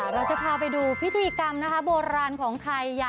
เราจะพาไปดูพิธีกรรมนะคะโบราณของไทย